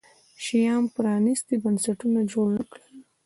شیام پرانیستي بنسټونه جوړ نه کړل.